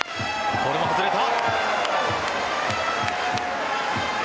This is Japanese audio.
これも外れた。